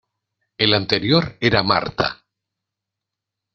El anterior era Marta.